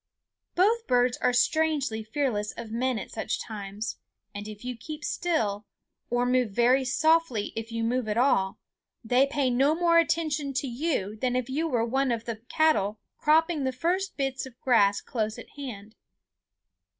Both birds are strangely fearless of men at such times; and if you keep still, or move very softly if you move at all, they pay no more attention to you than if you were one of the cattle cropping the first bits of grass close at hand.